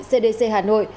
cdc hà nội